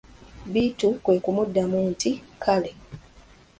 Bittu kwe kumuddamu nti:"kale"